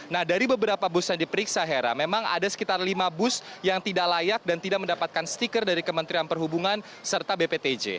nah dari beberapa bus yang diperiksa hera memang ada sekitar lima bus yang tidak layak dan tidak mendapatkan stiker dari kementerian perhubungan serta bptj